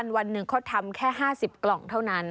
วันหนึ่งเขาทำแค่๕๐กล่องเท่านั้น